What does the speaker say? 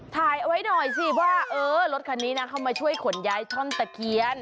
ถ่ายเอาไว้หน่อยสิว่าเออรถคันนี้นะเข้ามาช่วยขนย้ายท่อนตะเคียน